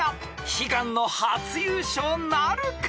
［悲願の初優勝なるか？］